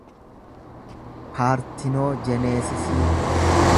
paartinoojineesisii